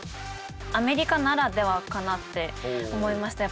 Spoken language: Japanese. アメリカならではかなって思いました。